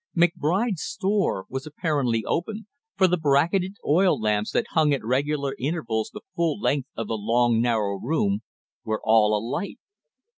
McBride's store was apparently open, for the bracketed oil lamps that hung at regular intervals the full length of the long narrow room, were all alight.